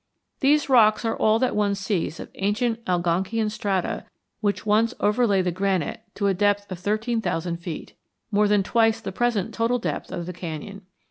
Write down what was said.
These rocks are all that one sees of ancient Algonkian strata which once overlay the granite to a depth of thirteen thousand feet more than twice the present total depth of the canyon.